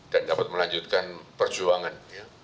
dan dapat melanjutkan perjuangan ya